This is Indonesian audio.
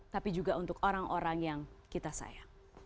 tapi juga untuk orang orang yang kita sayang